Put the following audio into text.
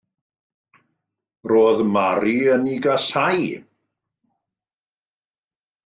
Roedd Mary yn ei gasáu.